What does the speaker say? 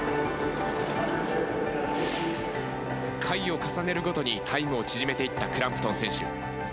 回を重ねるごとにタイムを縮めていったクランプトン選手。